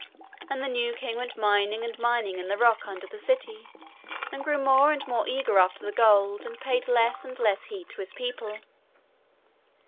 And the new king went mining and mining in the rock under the city, and grew more and more eager after the gold, and paid less and less heed to his people.